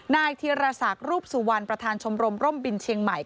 นายธิรษักรูปสุวรรณประธานชมรมร่มบินเชียงใหม่